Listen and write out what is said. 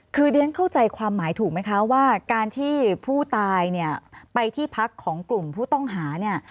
คือเรียนเข้าใจความหมายถูกไหมคะว่าการที่ผู้ตายเนี่ยไปที่พักของกลุ่มผู้ต้องหาเนี่ย